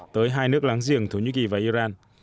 tới hai nước láng giềng thổ nhĩ kỳ và iran